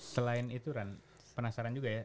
selain itu ran penasaran juga ya